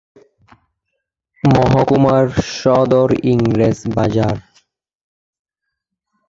মহকুমার সদর ইংরেজ বাজার।